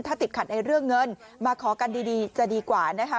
ถ้าติดขัดในเรื่องเงินมาขอกันดีจะดีกว่านะคะ